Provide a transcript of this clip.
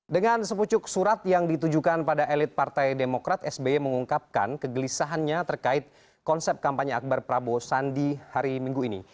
dengan sepucuk surat yang ditujukan pada elit partai demokrat sby mengungkapkan kegelisahannya terkait konsep kampanye akbar prabowo sandi hari minggu ini